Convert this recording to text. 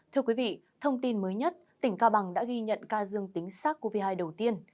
thưa quý vị thông tin mới nhất tỉnh cao bằng đã ghi nhận ca dương tính xác covid một mươi chín đầu tiên